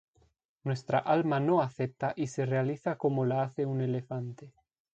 Nuestra alma no acepta y se realiza como la hace un elefante.